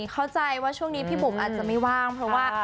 เข้าใจว่าช่วงนี้พี่บุ๋มอาจจะไม่ว่างเพราะว่า